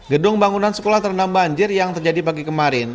gedung bangunan sekolah terendam banjir yang terjadi pagi kemarin